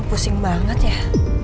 pusing banget ya